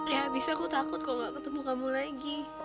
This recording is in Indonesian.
ya abis aku takut kok gak ketemu kamu lagi